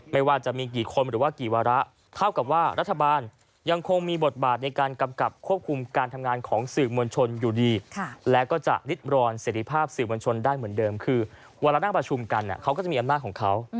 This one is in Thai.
ไม่ว่าจะมีกี่คนหรือว่ากี่วาระ